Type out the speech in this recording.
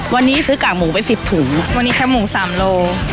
วันนี้ซื้อกากหมูไป๑๐ถุงวันนี้แคบหมูสามโล